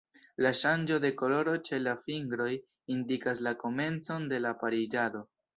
La ŝanĝo de koloro ĉe la fingroj indikas la komencon de la pariĝado.